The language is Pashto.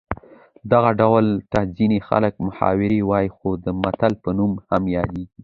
دغه ډول ته ځینې خلک محاوره وايي خو د متل په نوم هم یادیږي